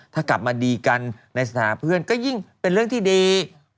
ถ้ากลับมาดีกันในสถานเพื่อนก็ยิ่งเป็นเรื่องที่ดี